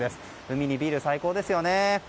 海にビール、最高ですよね。